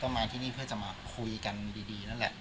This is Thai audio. มาที่นี่เพื่อจะมาคุยกันดีนั่นแหละ